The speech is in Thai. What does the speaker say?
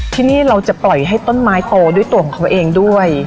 ที่นี่เราจะปล่อยให้ต้นไม้โตด้วยตัวของเขาเองด้วย